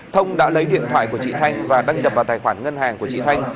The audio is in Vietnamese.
thông đã lấy điện thoại của chị thanh và đăng nhập vào tài khoản ngân hàng của chị thanh